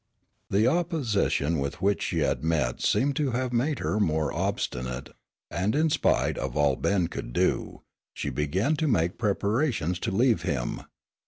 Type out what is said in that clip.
The opposition with which she had met seemed to have made her more obstinate, and in spite of all Ben could do, she began to make preparations to leave him.